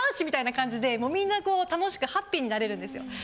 みたいな感じでみんなこう楽しくハッピーになれるんですよ。